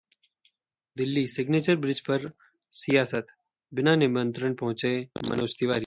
Delhi: signature bridge पर सियासत, बिना निमंत्रण पहुंचेंगे मनोज तिवारी